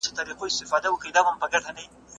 زه مخکي خبري کړي وو!